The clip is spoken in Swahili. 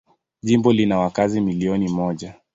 Jimbo lina wakazi milioni moja.